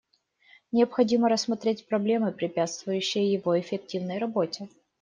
Необходимо рассмотреть проблемы, препятствующие его эффективной работе.